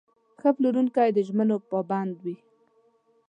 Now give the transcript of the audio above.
ښه پلورونکی د ژمنو پابند وي.